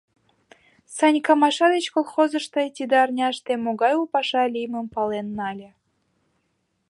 Санька Маша деч колхозышто тиде арняште могай у паша лиймым пален нале.